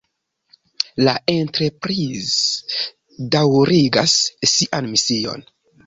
La Enterprise daŭrigas sian mision.